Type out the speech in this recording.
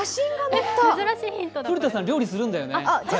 古田さん、料理するんだよね？